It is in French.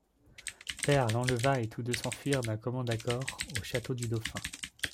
Peire l'enleva et tous deux s'enfuirent d'un commun accord au château du Dauphin.